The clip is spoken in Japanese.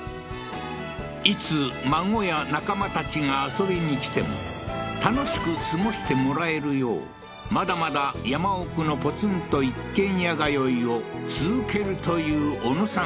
いつ孫や仲間たちが遊びにきても楽しく過ごしてもらえるようまだまだ山奥のポツンと一軒家通いを続けるという小野さん